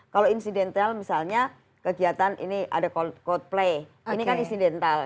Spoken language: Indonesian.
kalau insidental misalnya kegiatan ini ada coldplay ini kan insidental